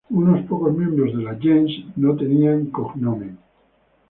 Unos pocos miembros de la "gens" no llevaban "cognomen".